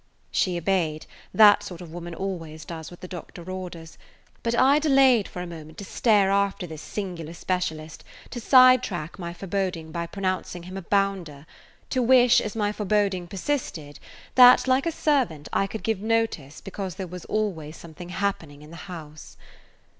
She obeyed; that sort of woman always does what the doctor orders. But I delayed for a moment to stare after this singular specialist, to sidetrack my foreboding by pronouncing him a bounder, to wish, as my foreboding persisted, that like a servant I could give notice because there was "always something happening in the house."